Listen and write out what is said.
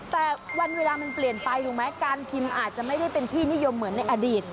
แต่วันเวลามันเปลี่ยนไปถูกไหมการพิมพ์อาจจะไม่ได้เป็นที่นิยมเหมือนในอดีต